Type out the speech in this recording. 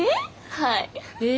はい。